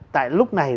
tại lúc này